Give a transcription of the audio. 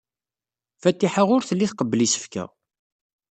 Fatiḥa ur telli tqebbel isefka.